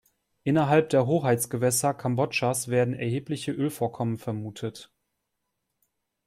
Innerhalb der Hoheitsgewässer Kambodschas werden erhebliche Ölvorkommen vermutet.